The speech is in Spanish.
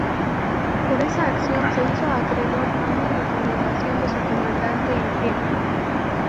Por esa acción se hizo acreedor a una recomendación de su comandante en jefe.